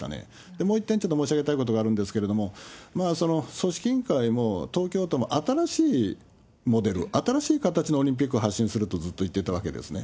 もう一点ちょっと申し上げたいことがあるんですけれども、組織委員会も東京都も新しいモデル、新しい形のオリンピックを発信するとずっと言っていたわけですね。